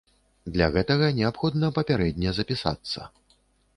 Для гэтага неабходна папярэдне запісацца.